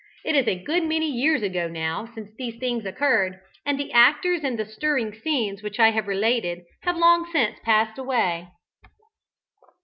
It is a good many years ago now since these things occurred, and the actors in the stirring scenes which I have related have long since passed away.